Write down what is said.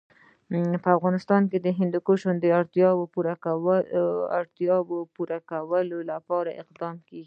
په افغانستان کې د هندوکش د اړتیاوو پوره کولو لپاره اقدامات کېږي.